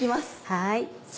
はい。